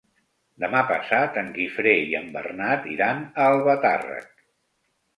Demà passat en Guifré i en Bernat iran a Albatàrrec.